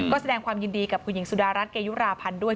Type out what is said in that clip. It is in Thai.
ก็แสดงความยินดีกับคุณหญิงสุดารัฐเกยุราพันธ์ด้วย